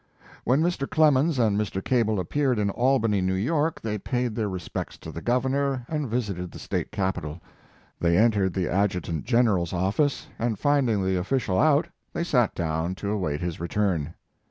When Mr. Clemens and Mr. Cable ap peared in Albany, New York, they paid their respects to the Governor, and visited the State capitol. They entered the Ad jutant General s office, and finding the official out, they sat down to await his return.